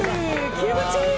気持ちいい！